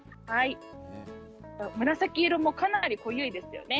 紫色もかなり濃いですよね。